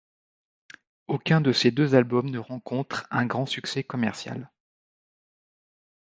Aucun de ces deux albums ne rencontre un grand succès commercial.